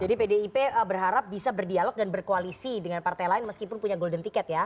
jadi pdip berharap bisa berdialog dan berkoalisi dengan partai lain meskipun punya golden ticket ya